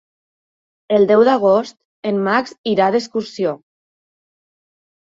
El deu d'agost en Max irà d'excursió.